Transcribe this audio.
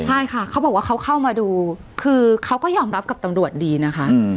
ใช่ค่ะเขาบอกว่าเขาเข้ามาดูคือเขาก็ยอมรับกับตำรวจดีนะคะ